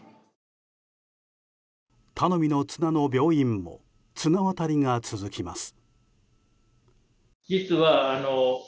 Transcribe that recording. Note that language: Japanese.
頼みの綱の病院も綱渡りが続きます。